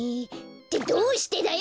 ってどうしてだよ！